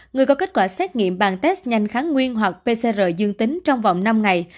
người có kết quả xét nghiệm bằng test nhanh kháng nguyên hoặc pcr dương tính trong vòng năm ngày